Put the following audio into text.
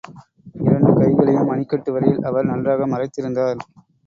இரண்டு கைகளையும் மணிக்கட்டு வரையில் அவர் நன்றாக மறைத்திருந்தார்.